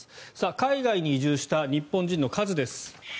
海外に移住した日本人の数です。